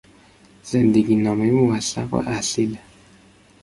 زندگینامهی موثق و اصیل